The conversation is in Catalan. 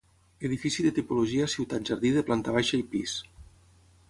Edifici de tipologia ciutat-jardí de planta baixa i pis.